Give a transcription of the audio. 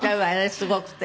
すごくて。